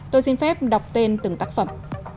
tôi xin phép đọc tên từng tác phẩm